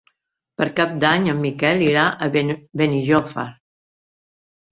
Per Cap d'Any en Miquel irà a Benijòfar.